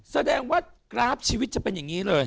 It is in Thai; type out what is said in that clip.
แสดงว่ากราฟชีวิตจะเป็นอย่างนี้เลย